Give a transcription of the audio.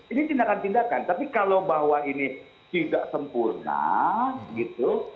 ini tindakan tindakan tapi kalau bahwa ini tidak sempurna gitu